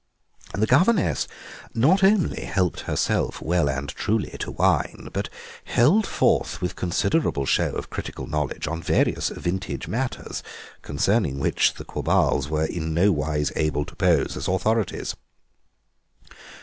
The governess not only helped herself well and truly to wine, but held forth with considerable show of critical knowledge on various vintage matters, concerning which the Quabarls were in no wise able to pose as authorities.